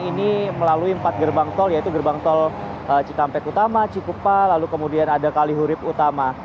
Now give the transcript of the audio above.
ini melalui empat gerbang tol yaitu gerbang tol cikampek utama cikupa lalu kemudian ada kalihurip utama